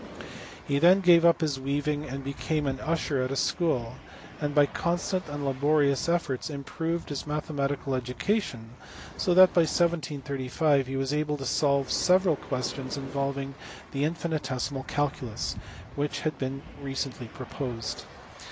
He then gave up his weaving, and became an usher at a school, and by constant and laborious efforts improved his mathematical education so that by 1735 he was able to solve several questions involving the infini tesimal calculus, which had been recently proposed.